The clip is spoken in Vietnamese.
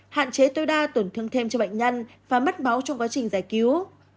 hạn chế tối đa tổn thương thêm cho bệnh nhân và mất máu trong quá trình giải cứu